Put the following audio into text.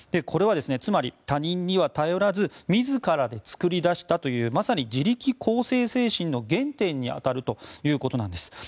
これはつまり、他人には頼らず自らで作り出したというまさに自力更生精神の原点に当たるということなんです。